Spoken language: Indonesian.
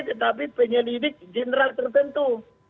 tetapi penyelidik jenderal tertentu